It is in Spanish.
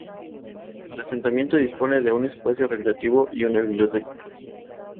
El asentamiento dispone de un espacio recreativo y una biblioteca.